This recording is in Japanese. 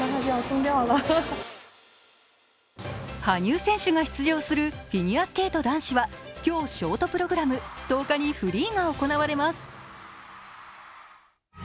羽生選手が出場するフィギュアスケート男子は今日ショートプログラム、１０日にフリーが行われます。